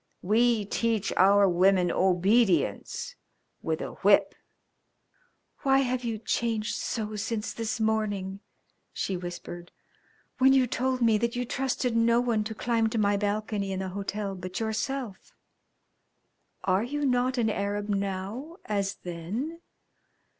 We teach our women obedience with a whip." "Why have you changed so since this morning," she whispered, "when you told me that you trusted no one to climb to my balcony in the hotel but yourself? Are you not an Arab now as then?